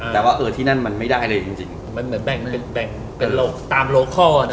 แต่ว่าเออที่นั่นมันไม่ได้เลยจริงมันเหมือนแบ่งเป็นแบ่งเป็นตามโลคอล